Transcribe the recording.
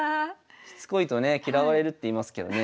しつこいとね嫌われるっていいますけどね